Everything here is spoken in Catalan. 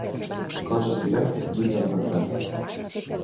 Cos estirat, mig alimentat.